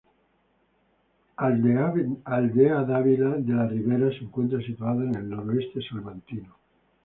Aldeadávila de la Ribera se encuentra situada en el noroeste salmantino.